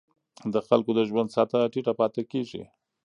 د خلکو د ژوند سطحه ټیټه پاتې کېږي.